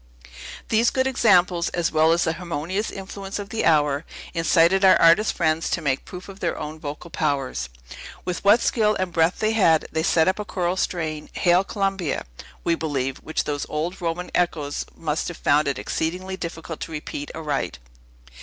These good examples, as well as the harmonious influences of the hour, incited our artist friends to make proof of their own vocal powers. With what skill and breath they had, they set up a choral strain, "Hail, Columbia!" we believe, which those old Roman echoes must have found it exceeding difficult to repeat aright.